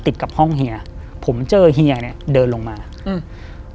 ติดกับห้องเฮียผมเจอเฮียเนี้ยเดินลงมาอืม